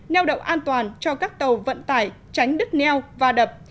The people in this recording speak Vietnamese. neo đậu an toàn cho các tàu vận tải tránh đứt neo và đập